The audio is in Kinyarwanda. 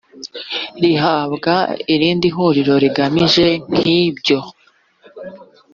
gihabwa irindi huriro rigamije nk ibyo